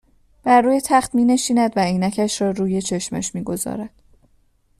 بر روی تخت مینشیند و عینکش را روی چشمش میگذارد